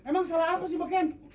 emang salah apa si beken